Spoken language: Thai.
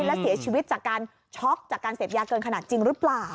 และเสียชีวิตจากการช็อกจากการเสพยาเกินขนาดจริงหรือเปล่า